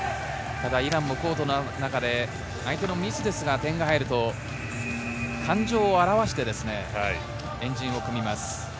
ただイランもコートの中で相手のミスですが、点が入ると、感情をあらわして円陣を組みます。